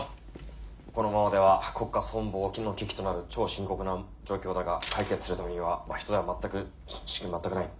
このままでは国家存亡きの危機となる超深刻な状況だが解決するためには人や全く全くない。